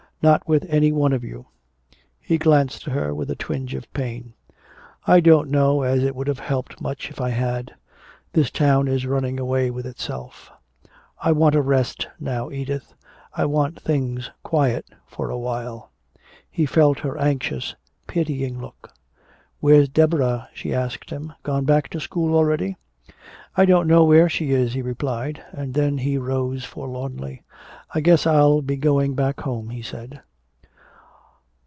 "Not with any one of you." He glanced at her with a twinge of pain. "I don't know as it would have helped much if I had. This town is running away with itself. I want a rest now, Edith, I want things quiet for a while." He felt her anxious, pitying look. "Where's Deborah?" she asked him. "Gone back to school already?" "I don't know where she is," he replied. And then he rose forlornly. "I guess I'll be going back home," he said.